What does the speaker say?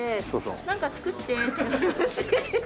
なんか作ってっていう話。